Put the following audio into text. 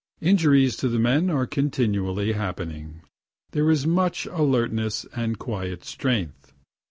Injuries to the men are continually happening. There is much alertness and quiet strength.